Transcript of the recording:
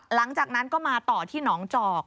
หลังจากนั้นก็มาต่อที่หนองจอก